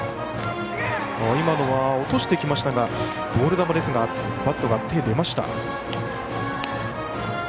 落としてきましたがボール球ですがバット、手が出ました。